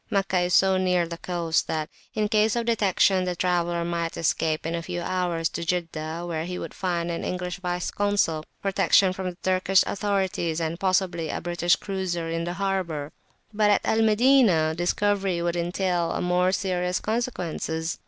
Meccah is so near the coast, that, in case of detection, the traveller might escape in a few hours to Jeddah, where he would find an English Vice Consul, protection from the Turkish authorities, and possibly a British cruiser in the harbour. But at Al Madinah discovery would entail more serious consequences.